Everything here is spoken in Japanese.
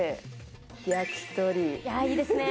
いいですねえ